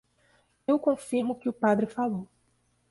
Eu confirmo o que o padre falou.